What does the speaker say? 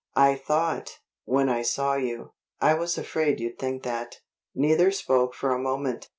"I thought, when I saw you " "I was afraid you'd think that." Neither spoke for a moment.